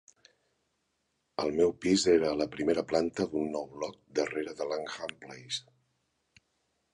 El meu pis era a la primera planta d'un nou bloc darrere de Langham Place.